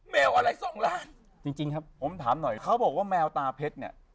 แมวอะไรสองล้านจริงจริงครับผมถามหน่อยเขาบอกว่าแมวตาเพชรเนี่ย